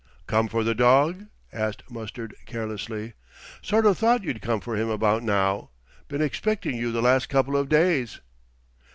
"Come for the dog?" asked Mustard carelessly. "Sort of thought you'd come for him about now. Been expectin' you the last couple o' days."